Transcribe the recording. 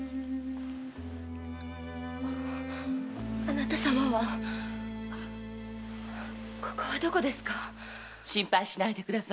貴方様はここはどこですか⁉心配しないでください。